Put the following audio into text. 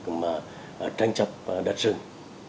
xây dựng đất rừng